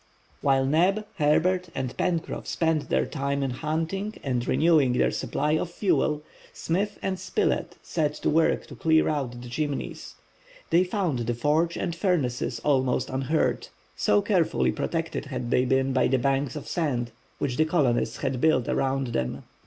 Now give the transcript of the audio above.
While Neb, Herbert, and Pencroff spent their time in hunting and renewing their supply of fuel, Smith andSpilett set to work to clear out the Chimneys. They found the forge and furnaces almost unhurt, so carefully protected had they been by the banks of sand which the colonists had built around them.